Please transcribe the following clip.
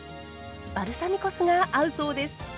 バルサミコ酢が合うそうです。